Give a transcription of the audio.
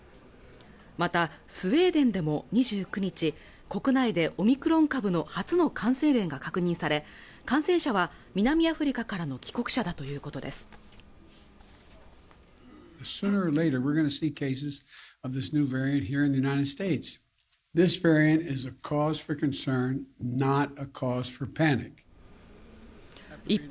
またスウェーデンでも２９日国内でオミクロン株の初の感染例が確認され感染者は南アフリカからの帰国者だということです一方